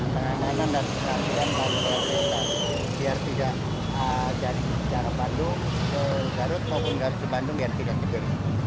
pengamanan dan pengantinan biar tidak jadi jarak bandung ke garut maupun ke bandung yang tidak jadi